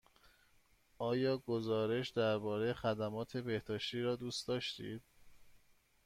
آیا گزارش درباره خدمات بهداشتی را دوست داشتید؟